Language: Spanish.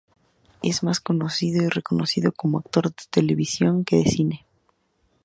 Es más conocido y reconocido como actor de televisión que de cine.